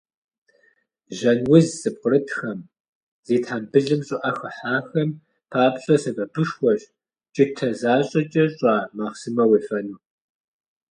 Жьэн уз зыпкърытхэм, зи тхьэмбылым щӀыӀэ хыхьахэм папщӏэ сэбэпышхуэщ кӀытэ защӀэкӀэ щӀа махъсымэ уефэну.